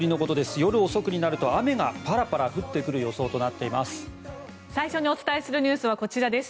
夜遅くになると雨がパラパラ降ってくる予想となっています。